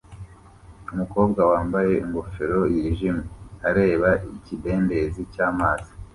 Umukobwa wambaye ingofero yijimye areba ikidendezi cyamazi